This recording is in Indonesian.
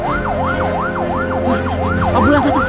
ambulan ambulan datang